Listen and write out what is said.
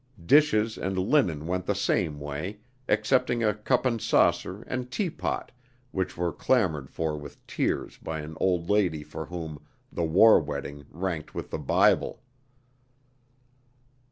Dishes and linen went the same way, excepting a cup and saucer and teapot which were clamored for with tears by an old lady for whom "The War Wedding" ranked with the Bible.